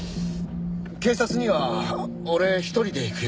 警察には俺一人で行くよ。